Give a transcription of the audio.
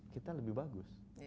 kita lebih bagus